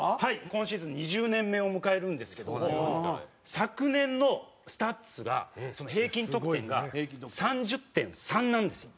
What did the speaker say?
今シーズン２０年目を迎えるんですけども昨年のスタッツが平均得点が３０．３なんですよ。